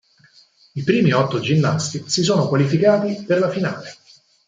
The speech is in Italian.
I primi otto ginnasti si sono qualificati per la finale.